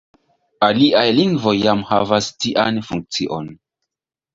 Aliaj lingvoj jam havas tian funkcion.